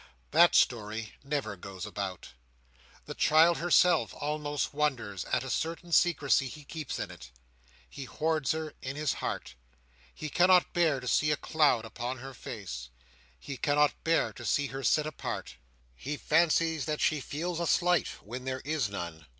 That story never goes about. The child herself almost wonders at a certain secrecy he keeps in it. He hoards her in his heart. He cannot bear to see a cloud upon her face. He cannot bear to see her sit apart. He fancies that she feels a slight, when there is none.